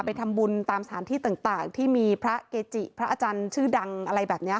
ไปทำบุญตามสถานที่ต่างที่มีพระเกจิพระอาจารย์ชื่อดังอะไรแบบนี้